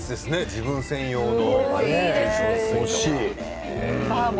自分専用の。